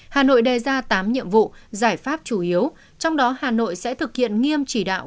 hà nội đề ra tám nhiệm vụ giải pháp chủ yếu trong đó hà nội sẽ thực hiện nghiêm chỉ đạo